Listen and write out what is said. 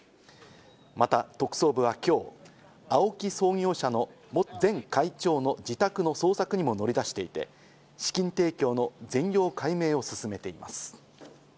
また特捜部は今日、ＡＯＫＩ創業者の前会長の自宅の捜索にも乗り出していて、資金提供の全容解明を進めています。